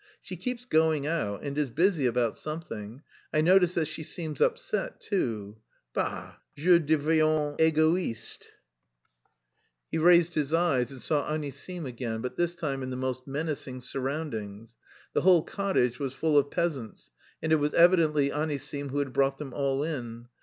"She keeps going out and is busy about something; I notice that she seems upset too.... Bah, je deviens egoiste!" He raised his eyes and saw Anisim again, but this time in the most menacing surroundings. The whole cottage was full of peasants, and it was evidently Anisim who had brought them all in.